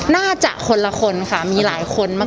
น่าจะคนละคนค่ะมีหลายคนมาก